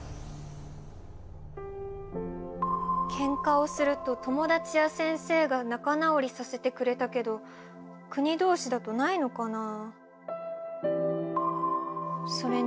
けんかをすると友だちや先生がなかなおりさせてくれたけど国同士だとないのかなあ。